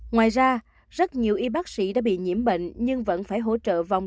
ngoài ra rất nhiều y bác sĩ đã bị nhiễm bệnh nhưng vẫn phải hỗ trợ vòng